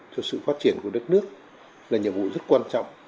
cho sự phát triển của đất nước là nhiệm vụ rất quan trọng